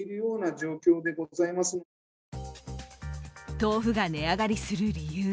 豆腐が値上がりする理由